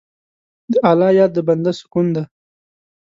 د الله یاد د بنده سکون دی.